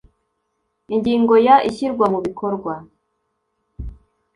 Ingingo ya ishyirwa mu bikorwa